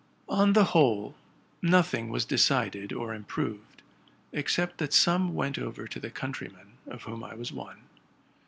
On the whole, nothing was decided or improved, except that some went over to our countryman, of whom I was one.